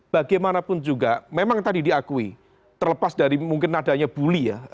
bagaimanapun juga memang tadi diakui terlepas dari mungkin nadanya bully ya